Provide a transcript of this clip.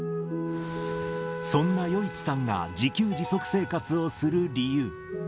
そんな余一さんが、自給自足生活をする理由。